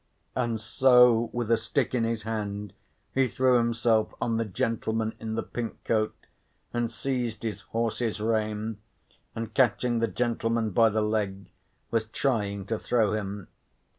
And so, with a stick in his hand, he threw himself on the gentleman in the pink coat and seized his horse's rein, and catching the gentleman by the leg was trying to throw him.